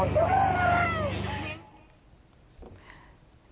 มามา